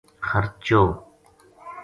خرچو